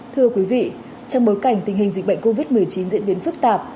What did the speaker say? thưa quý vị trong bối cảnh tình hình dịch bệnh covid một mươi chín diễn biến phức tạp